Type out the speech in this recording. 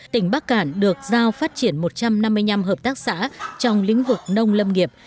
tỉnh bắc cản được giao phát triển một trăm năm mươi năm hợp tác xã trong lĩnh vực nông lâm nghiệp